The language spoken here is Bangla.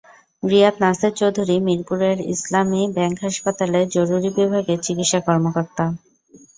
রিয়াদ নাসের চৌধুরী মিরপুরের ইসলামী ব্যাংক হাসপাতালের জরুরি বিভাগের চিকিৎসা কর্মকর্তা।